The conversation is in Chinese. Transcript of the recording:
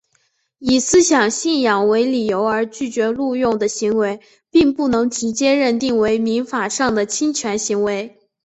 以思想信仰为理由而拒绝录用的行为并不能直接认定为民法上的侵权行为。